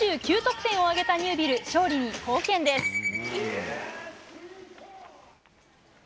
２９得点を挙げたニュービル勝利に貢献です。